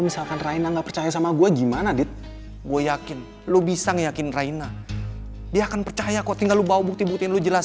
sampai jumpa di video selanjutnya